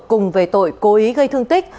cùng về tội cố ý gây thương tích